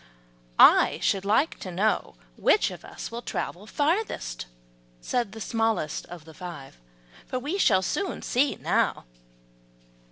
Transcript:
"I should like to know which of us will travel furthest," said the smallest of the five; "we shall soon see now."